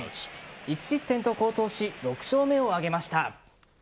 １失点と好投し６勝目を挙げました。